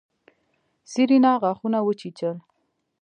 سېرېنا غاښونه وچيچل.